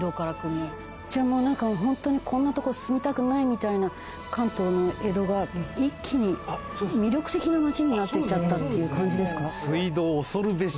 ホントにこんなとこ住みたくないみたいな関東の江戸が一気に魅力的な町になっていっちゃったっていう感じですか？